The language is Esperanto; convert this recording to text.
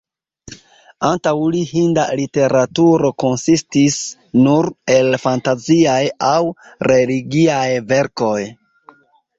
Antaŭ li hinda literaturo konsistis nur el fantaziaj aŭ religiaj verkoj.